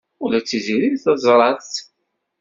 Ula d Tiziri teẓra-tt.